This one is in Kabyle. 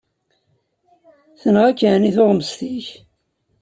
Tenɣa-k ɛni tuɣmest-ik?